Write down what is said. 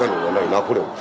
ナポレオン。